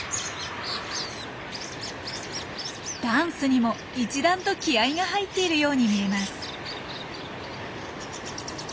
ダンスにも一段と気合いが入っているように見えます。